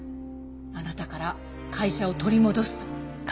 あなたから会社を取り戻すと。